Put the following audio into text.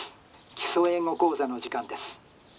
『基礎英語講座』の時間です」。